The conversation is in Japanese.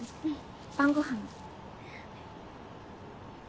晩ご飯の。